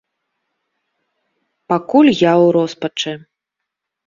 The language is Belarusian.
Пакуль я ў роспачы.